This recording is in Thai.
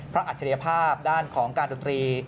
อัจฉริยภาพด้านของการดนตรี